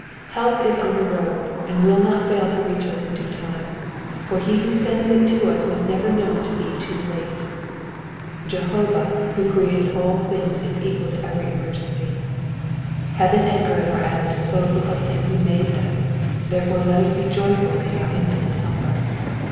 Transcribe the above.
Help is on the road, and will not fail to reach us in due time, for he who sends it to us was never known to be too late. Jehovah who created all things is equal to every emergency ; heaven and earth are at the disposal of him who made them, therefore let us be very joyful in our infinite helper.